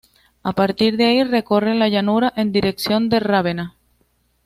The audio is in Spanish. A partir de ahí, recorre la llanura en dirección a Rávena.